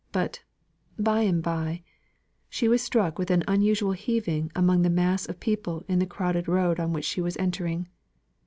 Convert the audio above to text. But, by and by, she was struck with an unusual heaving among the mass of people in the crowded road on which she was entering.